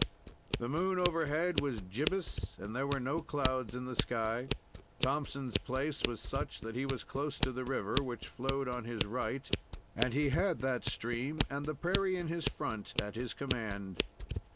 The moon overhead was gibbous, and there were no clouds in the sky. Thompson's place was such that he was close to the river, which flowed on his right, and he had that stream and the prairie in his front at his command.